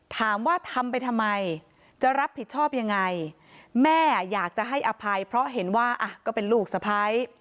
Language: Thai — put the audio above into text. ถามว่าทำไปทำไมจะรับผิดชอบยังไงแม่อยากจะให้อภัยเพราะเห็นว่าก็เป็นลูกสะพ้าย